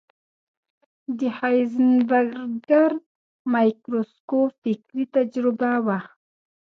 د هایزنبرګر مایکروسکوپ فکري تجربه وه.